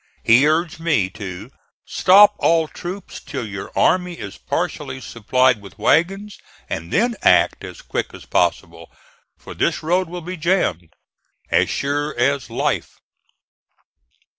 He urged me to "stop all troops till your army is partially supplied with wagons, and then act as quick as possible; for this road will be jammed, as sure as life."